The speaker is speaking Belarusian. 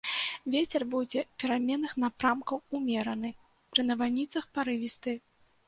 Вецер будзе пераменных напрамкаў умераны, пры навальніцах парывісты.